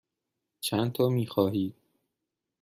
چندتا می خواهید؟